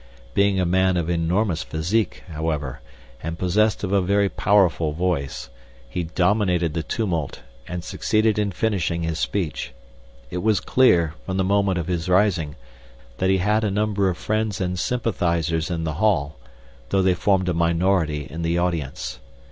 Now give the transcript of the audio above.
Being a man of enormous physique, however, and possessed of a very powerful voice, he dominated the tumult and succeeded in finishing his speech. It was clear, from the moment of his rising, that he had a number of friends and sympathizers in the hall, though they formed a minority in the audience.